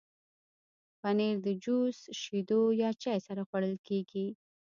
پنېر د جوس، شیدو یا چای سره خوړل کېږي.